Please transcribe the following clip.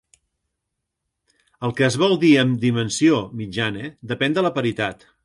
El que es vol dir amb "dimensió mitjana" depèn de la paritat.